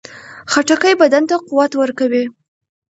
خټکی بدن ته قوت ورکوي.